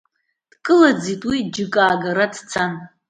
Дкылаӡӡеит, уи џьыкаагара дцан!